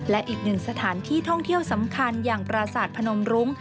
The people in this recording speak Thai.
และอีกหนึ่งสถานที่ท่องเที่ยวสำคัญอย่างปราศาสตร์พนมรุ้ง